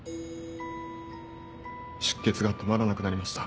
出血が止まらなくなりました。